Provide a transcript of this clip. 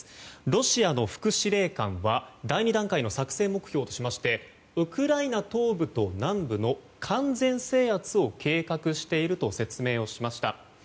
ロシアの副司令官は第２段階の作戦目標としましてウクライナ東部と南部の完全制圧を計画していると説明をしました。